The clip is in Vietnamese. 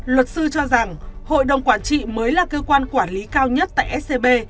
luật sư cho rằng hội đồng quản trị mới là cơ quan quản lý cao nhất tại scb